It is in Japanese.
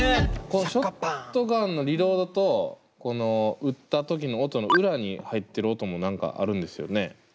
このショットガンのリロードとこの撃った時の音の裏に入ってる音も何かあるんですよね？